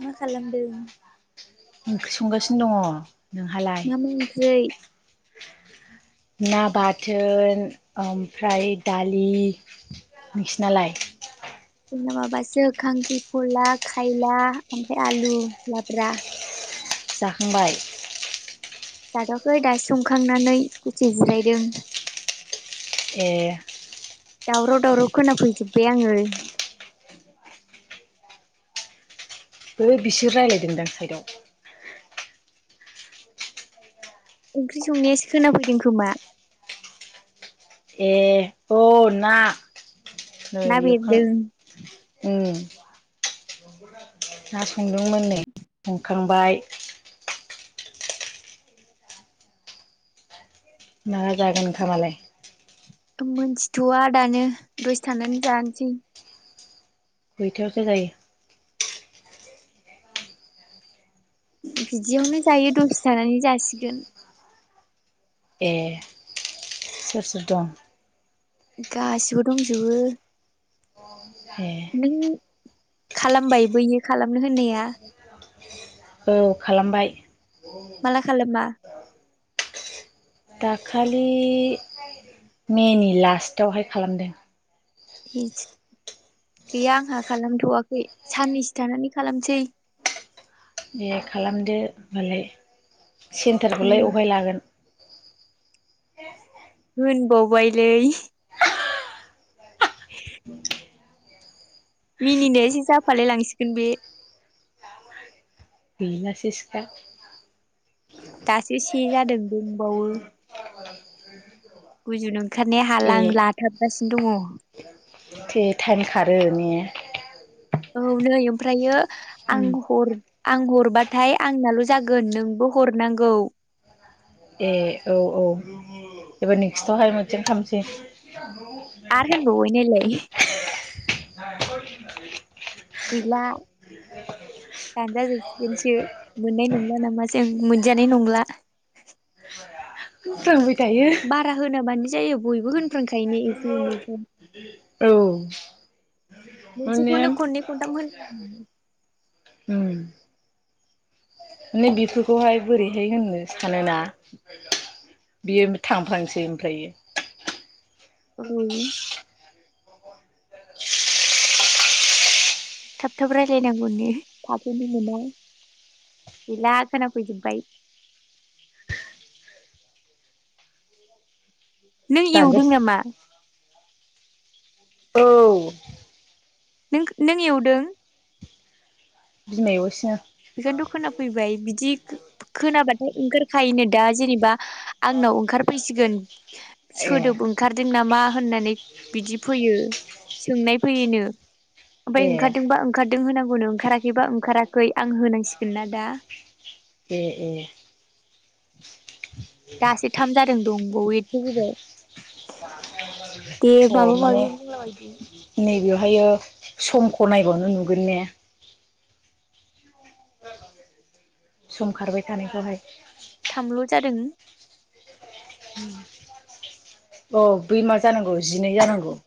मा खालामदों ओंख्रि संगासिनो दङ नोंहालाय मा मा ओंख्रै? ना बाथोन ओमफ्राय दालि नोंसिनालाय? जोंना माबासो खांख्रि खला खायला ओमफ्राय आलु लाब्रा जाखांबाय? जाथवाखौ दा संखांनानै दसे जिरायदों ए दावराव-दावराव खोनाफैजोबबाय आंङो बै बिसोर रायलायदों दां साइदआव ओंख्रि संनायासो खोनाफैदों खोमा ए अ ना नै ना एवखां बेरदों उम ना संदोंमोन नै सं- खांबाय माला जागोन ओखामालाय? मोनथिथवा दानो दसे थानानै जानोसै खैथायावसो जायो? बिदियावनो जायो दसे थानानै जासिगोन ए सोर सोर दं? गासिबो दंजोबो हे नों खालामबाय बैयो खालामनो होननाया? औ खालामबाय माला खालामा? दाखालि मेनि लास्टावहाय खालामदों। गैया आंहा खालामथ'वाखै साननैसो थानानै खालामसै। दे खालामदो होमबालाय ए सेन्टारखौलाय अहाय लागोन? [inaudible] होनबाव बायलै [inaudible] मिनिनाया एसे जाफालाय लांसिगोन बे गैला सेसखा दासो से जादों दंबावो गुजुनो ओंखारनाया ए हाला आं लाथाबगासिनो दङ थे टाइम खारो ने औ नै ओमफ्रायो उम आंहर आं हरबाथाय आंनाल' जागोन नोंबो हरनांगौ। ए औ औ एबार नेक्स्टआवहाय मोनसे खालामसै आर होनबावबाय नायलाय गैला दानजाजोबसिगोनसो मोननाय नंला नामा जों मोनजानाय नंला। [inaudible] बारा होनोबानो जायो बयबो होनफ्रांखायोनो एसे एनैखौ। औ माने मोनसेखौनो खन्नै खनथाम होन उम माने बेफोरखौहाय बोरैहाय होननो सानोना बियो थांफांसै ओमफ्रायो। औ थाब थाब रायलायनांगौनो थाथैनो मोना गैला खोनाफैजोबबाय नों इउदों दानजासि नामा? औ नों नों एवदों? बिमा एवगासिनो बेखायनोथ' खोना फैबाय बिदि खोनाबाथाय ओंखारखायोनो दा जेनेबा आंनाव ओंखारफैसिगोन ए सोदोब ओंखारदों नामा होननानै बिदि फैयो सोंनाय फैयोनो। ओमफ्राय ए ओंखारदोंबा ओंखाद दों होनांगौनो ओंखाराखैबा ओंखाराखै। आं होनांसिगोन ना दा ए ए दासो थाम जादों दं बावो एथ' गोबाव बे माबो माबि बुंला बायदो। बेवहायो समखौ नायबानो नुगोन ने। सम खारबाय थानायखौहाय। थामल' जादों। अ बै मा जानांगौ। जिनै जानांगौ। [inaudible]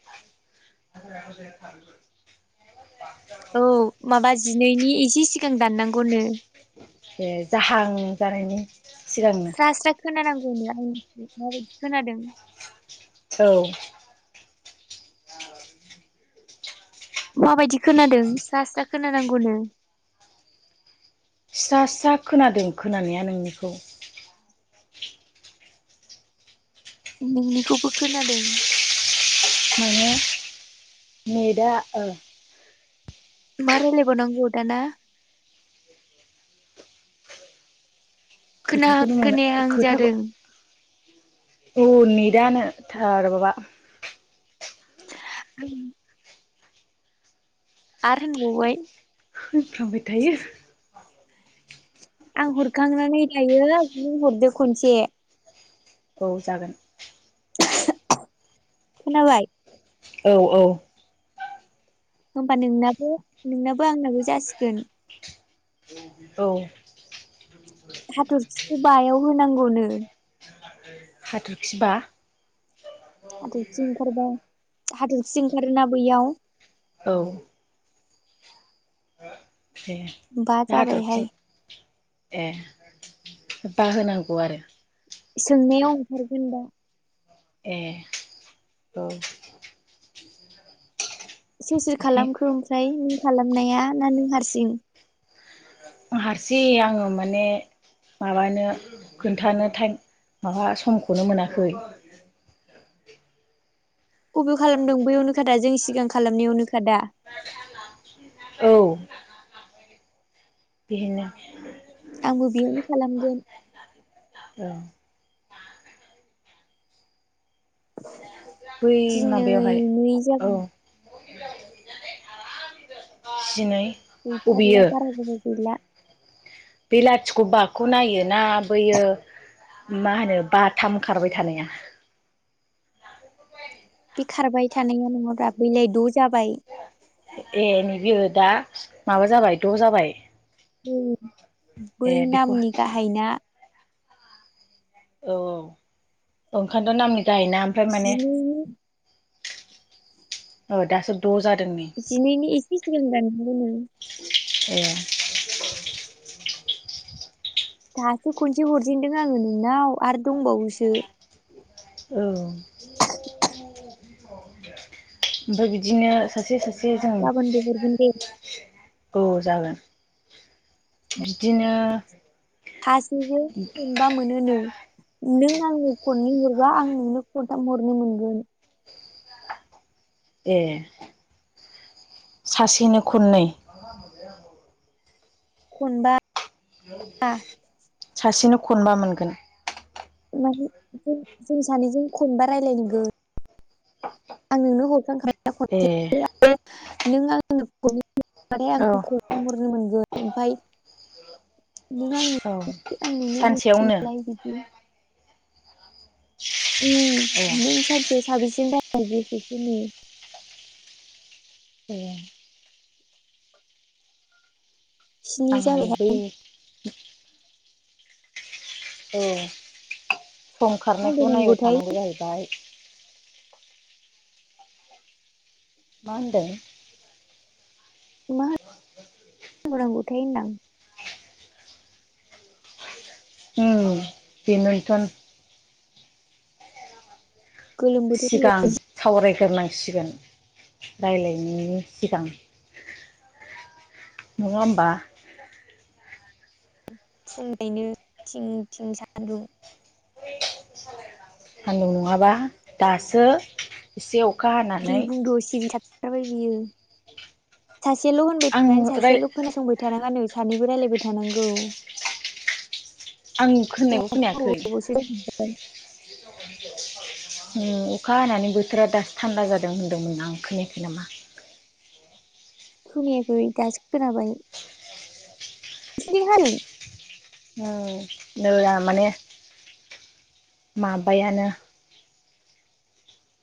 औ माबा जिनैनि इसे सिगां दाननांगौनो। ए जाहां जानायनि सिगांनो स्रा स्रा खोनानांगौनो आंनि माबायदि खोनादों? औ माबायदि खोनादों स्रा स्रा खोनानांगौनो। स्रा स्रा खोनादों खोनानाया नोंनिखौ। नोंनिखौबो खोनादों। माने नेदा ओ मा रायलायबावनांगौ दाना। खोनाहां खोथाखौनो मोना खोनायाहां खोथाखौ जादों। औ नदानो थार बाबा ओं आरो होनबावबाय होनफ्र्लामबाय थायो। आं हरखांनानै नाय थायो नों हरदो खनसे। औ जागोन। खोनाबाय? औ औ। होमबा नोंनाबो नोंनाबो आंनाबो जासिगोन। औ। हाथरखिखौ बायाव होनांगौनो। हाथरखिबा हाथरखि ओंखारबाय हाथरखि ओंखारोना बैयाव। औ। बा दे हाथरखि जाबायहाय ए। बाहोनांगौ आरो सोंनायाव ओंखारगोन दा। ए औ। सुसि बेखाय खालामखो ओमफ्राय। खालामनाया ना नों हारसिं? हारसि आङो माने माबानो खोन्थानो टाइम माबा समखौनो मोनाखै। बबे खालामदों बयावनोखादा जों सिगां खालामनायावनोखादा? औ। बिनो। आंबो बेयावनो खालामगोन। औ बै दिनै माबायावहाय नै जा औ जिनै। अबेयो [unintelligible] खौ नायोना बैयो मा होनो बाथाम खारबाय थानाया। बे खारबाय थानाया नङाब्रा बैलाय द' जाबाय। ए नैबेयो दा माबा जाबाय द' जाबाय। [unintelligible] ए बै बेखौ नामनि गाहायना। औ ओंखायथ' नामनि। गाहायना ओमफ्राय माने। जिनैनि औ दासो द' जा जिनैनि एसे सिगां ए [unintelligible] दासो खनसे हरजेनदों आङो नोंनाव आरो दंबावोसो। औ। ओमफाय बिदिनो सासे सासे जों। गाबोनबो हरगोन दे। औ जागोन बिदिनो। खासेजों मोनबा मोनो नो। नों आंनो खननै हरबा आं नोंनो खनथाम हरनो मोनगोन। ए। सासेनो खननै। खनबा [inaudible] आ। सासेनो खनबा मोनगोन। माने जों जों सानैजों खनबा रायज्लायनांगोन। आं नोंनो हरखांखा ए [unintelligible] नों आं [inaudible] औ [unintelligible] ओमफाइ। औ सानसेयावनो [unintelligible] ए। साबेसे [unintelligible] ए स्नि आंहा बै जाबायहाय। औ। सम मा खारनायखौ नायबाय होनबोनांगौथाय थानांगौ जाहैबाय। [inaudible] मा होनदों। [unintelligible] थै नां उम बेनोनथ' गोलोम बोथोर फैलाय सिगां सावरायग्रोनां सिगोन रायलायनायनि सिगां नङा होमबा फुंयैनो थिं थिं सान्दुं सान्दुं नङाबा दासो एसे अखा दे हानानै बुंद' सिरिथाथारबाय बियो सासेयाल' होनबाय आं थानानै राय सासेयाल' खोनासंबाय थानाङानो सानैबो रायलायबाय थानांगौ। आं खोनायखौ जोंहाथ' बारा खोनायाखै गोबावसो जाबाय अखा हानानै बोथोरा दासो थान्दा जादों होन्दोंमोन आं खोनायाखै नामा। खोनायाखै दासो खोनाबाय नोसोरनिथिं हादों नै नैया माने माबायानो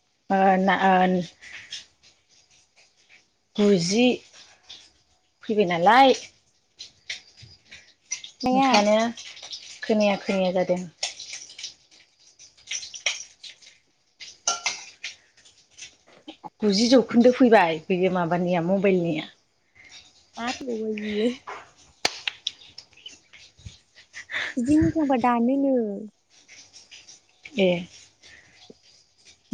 [unintelligible] गुजि फैबाय नालाय नाया ओंखानो खोनाया खोनाया जादों। [inaudible] गुजि जौखोन्दो फैबाय बेयो माबानिया मबाइलनिया [unintelligible] बिदि मोजांबा दानो नो ए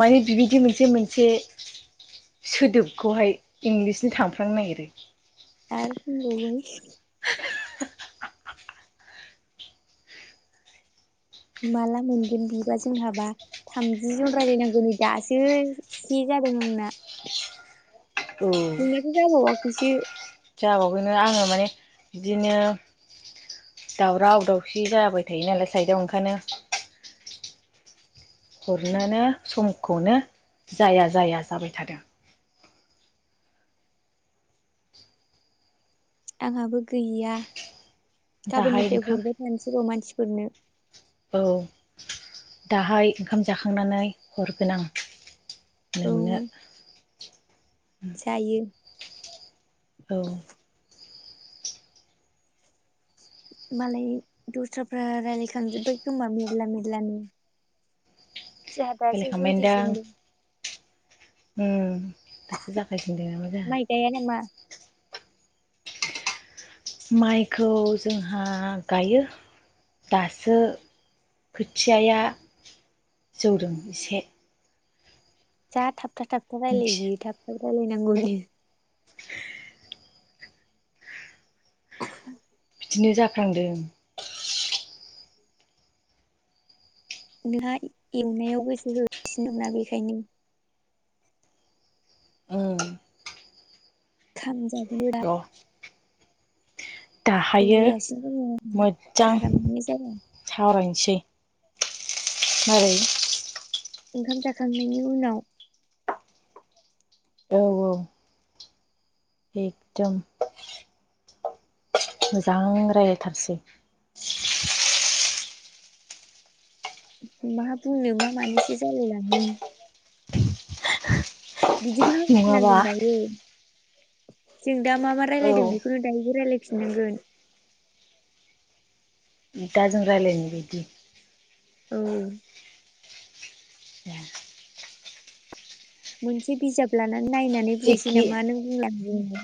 माने बिबायदि मोनसे मोनसे सोदोबखौहाय इंलिसनि थांफ्लांनो नागिरो। आरो बुंबावबाय माला मोनगोन बिबा जोंहाबा थामजि जन रायज्लायनांगौ नै दासो से जादों आंना औ। नोंनाथ' जाबावाखैसो जाबावैनो आङो माने बिदिनो दावराव दावसि जाबाय थायो नालाय साइदआव ओंखायनो हरनोनो समखौनो जाया जाया जाबाय थादों। आंहाबो गैया दाहाय गाबोननिफ्राय ओंखाम हरबाय थानोसैर' मानसिफोरनो औ दाहाय ओंखाम जाखांनानै हरगोन आं नोंनो औ जायो औ मालाय दस्राफ्रा रायलायखांजोबबाय खोमा मेरला मेरलानो जोंहा दासो रायलायखांबायदां जुरिजेनदों उम दासो जागायफिनदोंना मा जाखो। माइ गाया नामा माइखौ जोंहा गायो दासो खोथियाया जौदों एसे जा थाब थाब थाबखौ रायलायो नोंसि बियो थाब रायलायनांगौनो। [inaudible] बिदिनो जाखांदों। नोंहा एवनायाव गोसो होसिनो ना बेखायनो। ओं खामजाब। द। दाहायो गुजुगासिनो दङ आंना मोजां गारामानो जाया सावरायनोसै। मारै? ओंखाम जाखांनायनि उनाव। औ औ एकदम। मोजां रायलायथारसै। मा बुंनो मा मानैसो जालायलाङो। बिदिखौनो नङाबा मिथिनांगोन दायो। जों दा मा मा औ रायजलायदों बेखौनो दायोबो रायलायफिननांगोन। दा जों रायलायनाय बादि। औ। ए। मोनसे बिजाब लाना नायनानै बुंनोसै एखे नामा नों बुंलाय आं बुंलाय।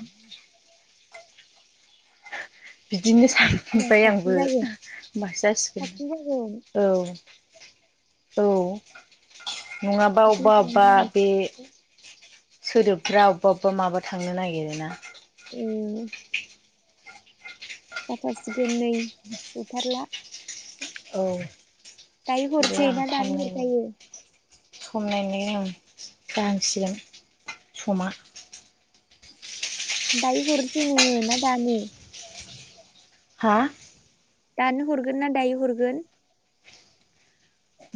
बिदिनो सानबाय साबसिन आंबो जागोन ओमबासो जासिगोन साबसिन जागोन औ। औ। नङाबा बिदिनो अबबा अबबा खालामगोन बे सोदोबफ्रा अबबा अबबा माबा थांनो नागिरोना। ओ जाथासिगोन नै गैथारला। औ। दायो जेरै हरसै आं ना टाइम दानो नायनो हरजायो। सम नायनायनि आं जाहांसिगोन समा। दायो हरसै नोंङो ना दानो। हा? दानो हरगोन ना दायो हरगोन?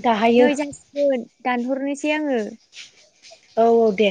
दाहायो नै जासिगोन। दानहरनोसै आङो। औ औ दे।